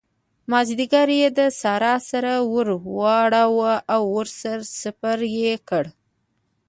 مازديګر يې د سارا سر ور واړاوو او ور سپره يې کړه.